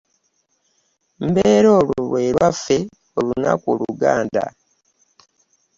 Mbeera olwo lwe lwaffe olunaku oluganda.